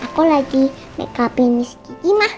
aku lagi makeup in miss gigi mah